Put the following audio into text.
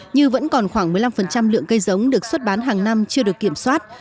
như vẫn còn khoảng một mươi năm lượng cây giống được xuất bán hàng năm chưa được kiểm soát